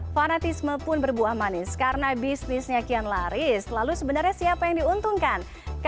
fanatisme pun berbuah manis karena bisnisnya kian laris lalu sebenarnya siapa yang diuntungkan